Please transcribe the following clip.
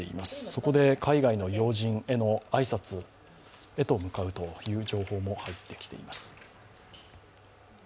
そこで海外の要人への挨拶へと向かうという情報も入ってきています。